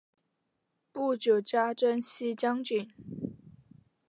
不久加征西将军。